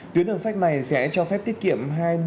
tuyến đường sắt này sẽ cho phép tiết kiệm